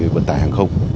vật tài hàng không